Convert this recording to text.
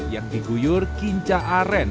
yang diguyur kinca aren